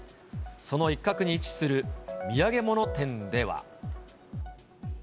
その一角に位置する土産物店では。